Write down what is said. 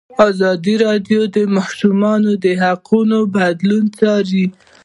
ازادي راډیو د د ماشومانو حقونه بدلونونه څارلي.